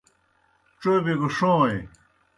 ڇوبِیو گہ ݜوئیں۔